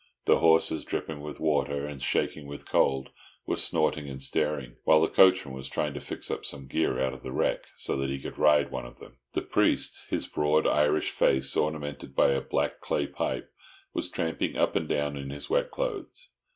The horses, dripping with water and shaking with cold, were snorting and staring, while the coachman was trying to fix up some gear out of the wreck, so that he could ride one of them. The priest, his broad Irish face ornamented by a black clay pipe, was tramping up and down in his wet clothes.